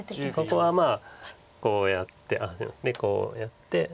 ここはまあこうやってこうやってノビて。